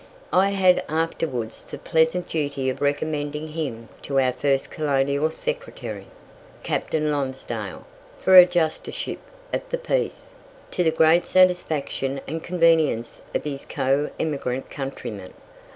I had afterwards the pleasant duty of recommending him to our first Colonial Secretary, Captain Lonsdale, for a Justiceship of the Peace, to the great satisfaction and convenience of his co emigrant countrymen.